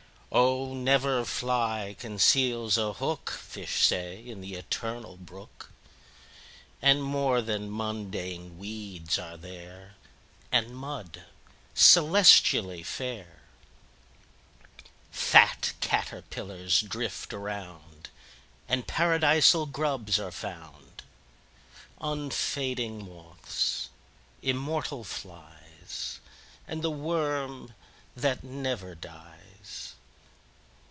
25Oh! never fly conceals a hook,26Fish say, in the Eternal Brook,27But more than mundane weeds are there,28And mud, celestially fair;29Fat caterpillars drift around,30And Paradisal grubs are found;31Unfading moths, immortal flies,32And the worm that never dies.